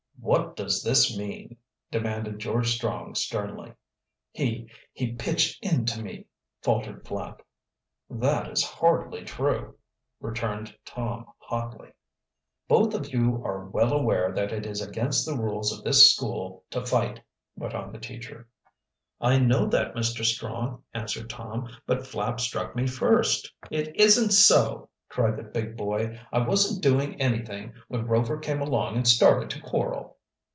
"What does this mean?" demanded George Strong sternly. "He he pitched into me," faltered Flapp. "That is hardly true," returned Tom hotly. "Both of you are well aware that it is against the rules of this school to fight," went on the teacher. "I know that, Mr. Strong," answered Tom. "But Flapp struck me first." "It isn't so!" cried the big boy. "I wasn't doing anything, when Rover came along and started to quarrel."